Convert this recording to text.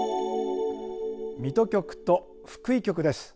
水戸局と福井局です。